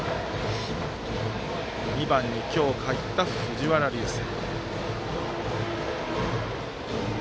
２番に今日入った藤原隆成。